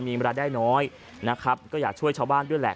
มีเวลาได้น้อยนะครับก็อยากช่วยชาวบ้านด้วยแหละ